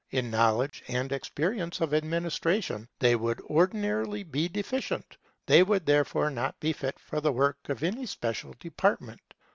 In knowledge and experience of administration they would ordinarily be deficient; they would therefore not be fit for the work of any special department.